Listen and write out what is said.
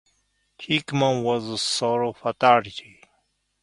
Hickman was the sole fatality.